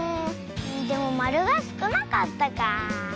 でもまるがすくなかったかあ。